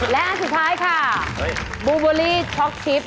และอันสุดท้ายค่ะ